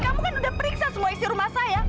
kamu kan udah periksa semua isi rumah saya